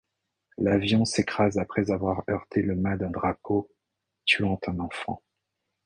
L'avion s'écrase après avoir heurté le mât d'un drapeau, tuant un enfant.